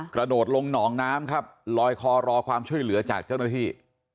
กระโดดลงหนองน้ำครับลอยคอรอความช่วยเหลือจากเจ้าหน้าที่